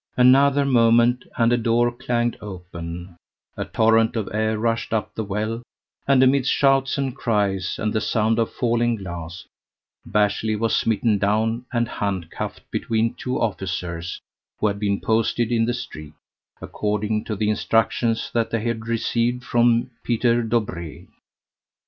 Another moment, and a door clanged open, a torrent of air rushed up the well, and amidst shouts and cries, and the sound of falling glass, Bashley was smitten down, and handcuffed between two officers, who had been posted in the street, according to the instructions they had received from Peter Dobree.